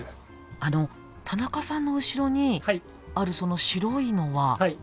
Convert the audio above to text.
あの田中さんの後ろにあるその白いのはあの綿ですか？